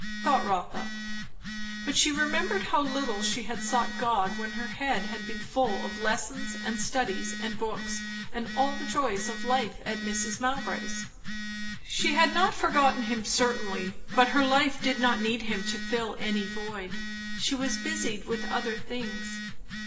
thought Rotha. But she remembered how little she had sought God when her head had been full of lessons and studies and books and all the joys of life at Mrs. Mowbray's. She had not forgotten him certainly, but her life did not need him to fill any void; she was busied with other things.